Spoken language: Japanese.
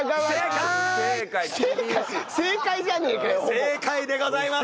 不正解でございます。